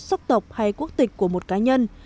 sốc tộc hay quốc tịch của một cá nhân